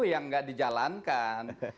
yang nggak dijalankan